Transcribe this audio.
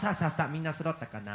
みんなそろったかな。